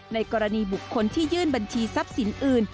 ในกรณีบุคคลที่ยื่นบัญชีทรัพย์สินอื่น